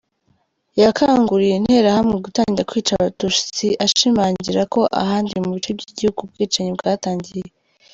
Yakanguriye Interahamwe gutangira kwica Abatutsi ashimangira ko ahandi mu bice by’igihugu ubwicanyi bwatangiye.